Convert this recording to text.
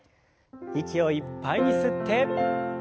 息をいっぱいに吸って。